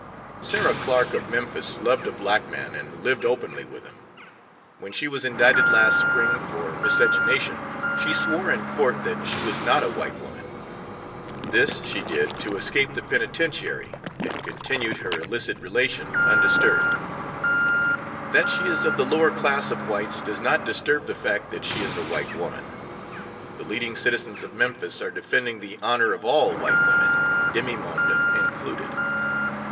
Sarah Clark of Memphis loved a black man and lived openly with him. When she was indicted last spring for miscegenation, she swore in court that she was not a white woman. This she did to escape the penitentiary and continued her illicit relation undisturbed. That she is of the lower class of whites, does not disturb the fact that she is a white woman. "The leading citizens" of Memphis are defending the "honor" of all white women, demi monde included.